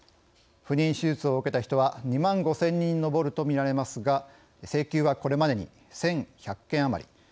不妊手術を受けた人は２万５０００人に上るとみられますが請求はこれまでに１１００件余り。